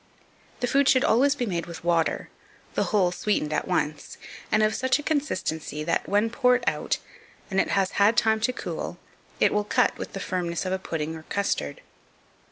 2504. The food should always be made with water, the whole sweetened at once, and of such a consistency that, when poured out, and it has had time to cool, it will cut with the firmness of a pudding or custard.